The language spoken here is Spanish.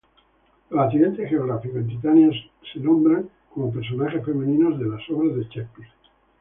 Los accidentes geográficos en Titania son nombrados como personajes femeninos de obras de Shakespeare.